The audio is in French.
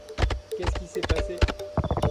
Qu'est-ce qui s'est passé ?